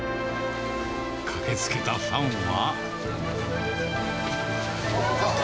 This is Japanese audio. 駆けつけたファンは。